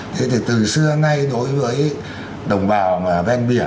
thế thì từ xưa ngay đối với đồng bào bên biển các hộ đánh cá ngư dân này này